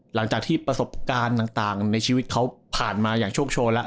หลังจากที่ประสบการณ์ต่างในชีวิตเขาผ่านมาอย่างโชคโชนแล้ว